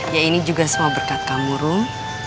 ya ini juga semua berkat kamu rum